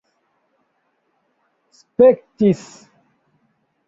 spektis